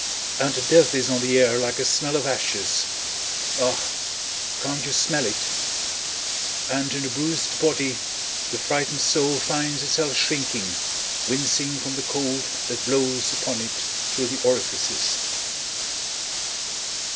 And death is on the air like a smell of ashes! Ah! can't you smell it? And in the bruised body, the frightened soul finds itself shrinking, wincing from the cold that blows upon it through the orifices.